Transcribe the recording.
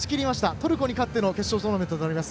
トルコに勝っての決勝トーナメントになります。